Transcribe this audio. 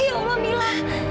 ya allah mila